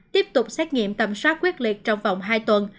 tiếp tục xét nghiệm tầm soát quyết liệt trong vòng hai tuần